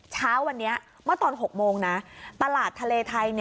เช้าวันนี้เมื่อตอน๖โมงนะตลาดทะเลไทย